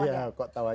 oh iya kok tau aja